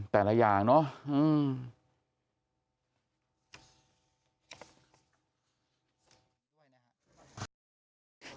แต่ละอย่างเนาะอืออือ